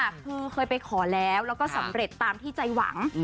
คือเคยไปขอแล้วแล้วก็สำเร็จตามที่ใจหวัง